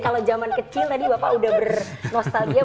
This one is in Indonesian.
kalau zaman kecil tadi bapak udah bernostalgia